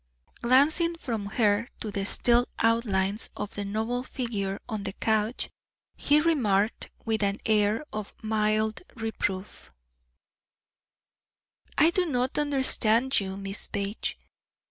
Glancing from her to the still outlines of the noble figure on the couch, he remarked with an air of mild reproof: "I do not understand you, Miss Page.